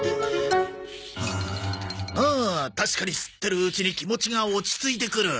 うん確かにすってるうちに気持ちが落ち着いてくる。